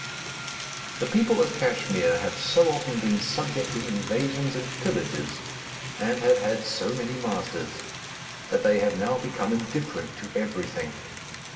The people of Kachmyr have so often been subject to invasions and pillages and have had so many masters, that they have now become indifferent to every thing.